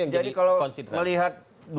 jadi kalau melihat dua ribu sembilan